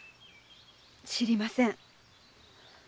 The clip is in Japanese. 知りません。